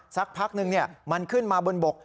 สักพักนึงมันขึ้นมาบนบก